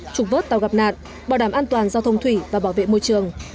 trục vớt tàu gặp nạn bảo đảm an toàn giao thông thủy và bảo vệ môi trường